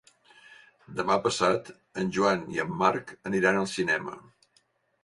Demà passat en Joan i en Marc aniran al cinema.